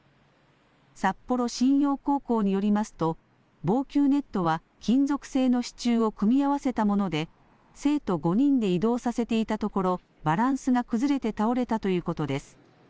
札幌新陽高校によりますと防球ネットは金属製の支柱を組み合わせたもので生徒５人で移動させていたところバランスが崩れて倒れたということです。